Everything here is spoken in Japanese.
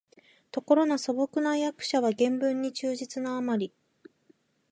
ところが素朴な訳者は原文に忠実なあまり、